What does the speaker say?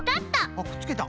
あっくっつけた。